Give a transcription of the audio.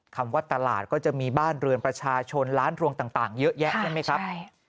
คำว่าตลาดก็จะมีบ้านเรือนประชาชนร้านรวงต่างเยอะแยะใช่ไหมครับ